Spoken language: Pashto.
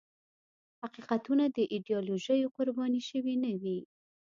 حقیقتونه د ایدیالوژیو قرباني شوي نه وي.